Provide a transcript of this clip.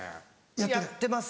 やってます。